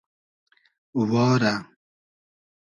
وا رۂ